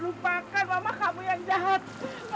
lupakan mama kamu yang jahat